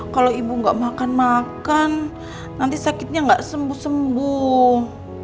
kalau ibu nggak makan makan nanti sakitnya nggak sembuh sembuh